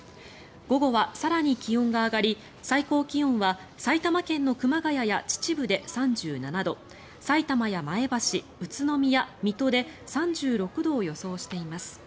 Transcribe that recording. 午後は更に気温が上がり最高気温は埼玉県の熊谷や秩父で３７度さいたまや前橋、宇都宮、水戸で３６度を予想しています。